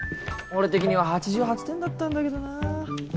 俺的には８８点だったんだけどな。